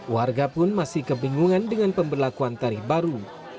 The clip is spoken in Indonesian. warga pun masih kebingungan dengan pemberlakuan tarif baru